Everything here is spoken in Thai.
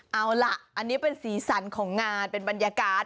เอาล่ะอันนี้เป็นสีสันของงานเป็นบรรยากาศ